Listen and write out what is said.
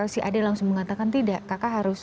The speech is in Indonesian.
si ad langsung mengatakan tidak kakak harus